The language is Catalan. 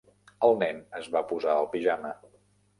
El nen es va posar el pijama.